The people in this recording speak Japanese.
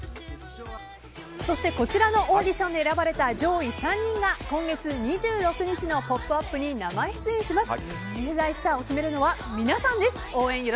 そしてこちらのオーディションで選ばれた上位３人が今月２６日の「ポップＵＰ！」に生出演します。